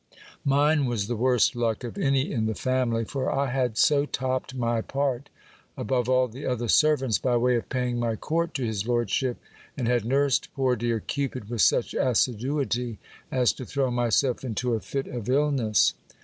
Mine was the worst luck of any in the family ; for I had so topped my part above all the other servants, by way of paying my court to his lordship, and had nursed poor dear Cupid with such assiduity, as to throw myself into a fit of illness.